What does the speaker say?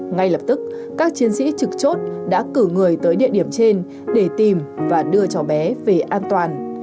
ngay lập tức các chiến sĩ trực chốt đã cử người tới địa điểm trên để tìm và đưa cháu bé về an toàn